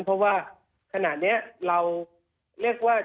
เพราะว่าขณะนี้เราเรียกว่า